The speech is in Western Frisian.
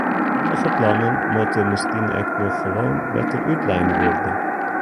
Sommige plannen moatte miskien ek noch gewoan better útlein wurde.